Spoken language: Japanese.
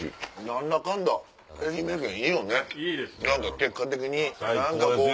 何か結果的に何かこう。